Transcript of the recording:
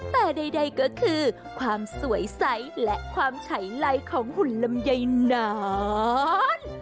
แต่ใดก็คือความสวยใสและความฉัยไลของหุ่นลำไยหนอน